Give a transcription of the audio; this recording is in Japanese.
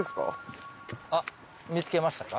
あっ見つけましたか？